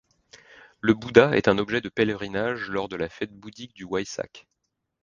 Le Bouddha est un objet de pèlerinage lors de la fête bouddhique du Waisak.